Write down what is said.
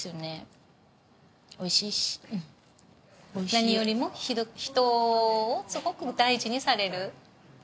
何よりも人をすごく大事にされる。